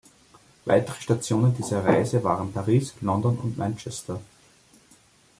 Weitere Stationen dieser Reise waren Paris, London und Manchester.